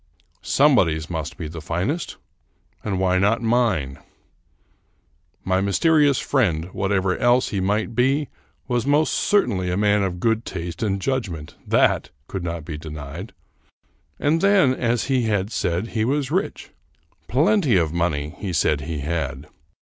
Somebody's must be the finest, and why not mine ? My mysterious friend, whatever else he might be, was most certainly a man of good taste and judgment ; that could not be denied. And then, as he had said, he was rich. " Plenty of money," he said he had.